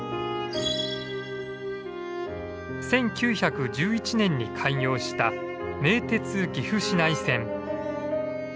１９１１年に開業した名鉄岐阜市内線。